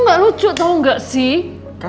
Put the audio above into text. nggak lucu tau nggak sih